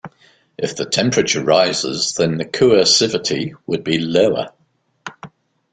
If the temperature rises then the coercivity would be lower.